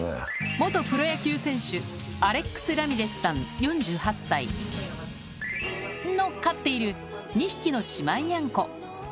元プロ野球選手、アレックス・ラミレスさん４８歳。の飼っている２匹の姉妹ニャンコ。